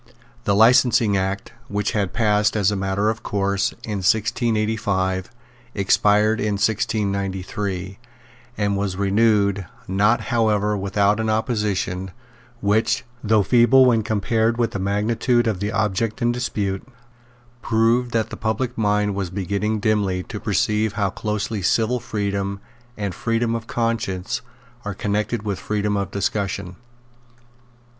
The Licensing Act, which had passed, as a matter of course, in 1685, expired in 1693, and was renewed, not however without an opposition, which, though feeble when compared with the magnitude of the object in dispute, proved that the public mind was beginning dimly to perceive how closely civil freedom and freedom of conscience are connected with freedom of discussion.